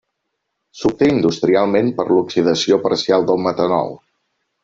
S'obté industrialment per l'oxidació parcial del metanol.